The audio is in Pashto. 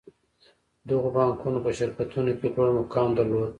دغو بانکونو په شرکتونو کې لوړ مقام درلود